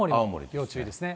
要注意ですね。